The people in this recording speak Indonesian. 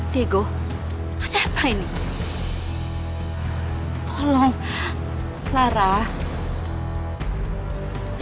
bisa kan oh mau selang lolos